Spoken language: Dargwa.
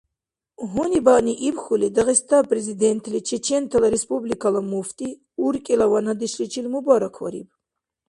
Гьунибаъни ибхьули, Дагъиста Президентли Чечентала Республикала муфтий уркӀила ванадешличил мубараквариб.